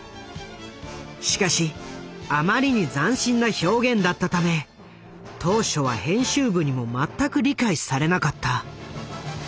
しかしあまりに斬新な表現だったため当初は編集部にも全く理解されなかった。